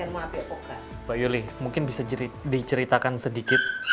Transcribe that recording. mbak yuli mungkin bisa diceritakan sedikit